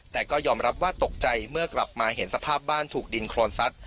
แต่ก็ยอมรับว่าตกใจเมื่อกลับมาเห็นสภาพบ้านถูกดินโครนซัด